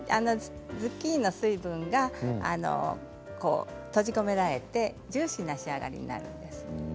ズッキーニの水分が閉じ込められてジューシーな仕上がりになるんです。